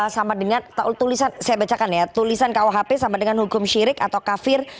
sama dengan saya bacakan ya tulisan kuhp sama dengan hukum syirik atau kafir